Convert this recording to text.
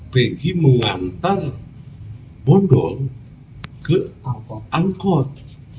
pergi mengantar bondol ke angkot